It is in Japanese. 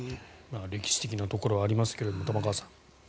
歴史的なところはありますが、玉川さん。